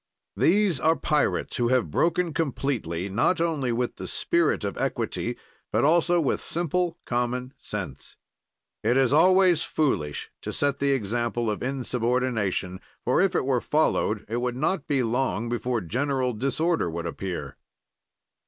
"These are pirates who have broken completely not only with the spirit of equity, but also with simple common sense. "It is always foolish to set the example of insubordination, for, if it were followed, it would not be long before general disorder would appear.